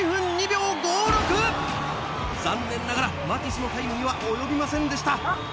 残念ながらマティスのタイムには及びませんでした。